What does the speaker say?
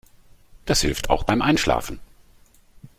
Das hilft auch beim Einschlafen.